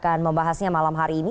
akan membahasnya malam hari ini